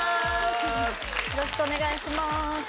よろしくお願いします。